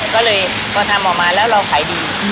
ก็เลยพอทำออกมาแล้วเราขายดี